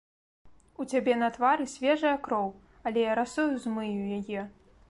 У цябе на твары свежая кроў, але я расою змыю яе.